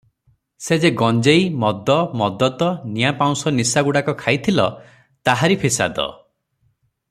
ସେ ଯେ ଗଞ୍ଜେଇ – ମଦ – ମଦତ – ନିଆଁ ପାଉଁଶ ନିଶା ଗୁଡ଼ାକ ଖାଇଥିଲ, ତାହାରି ଫିସାଦ ।